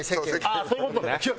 ああそういう事ね。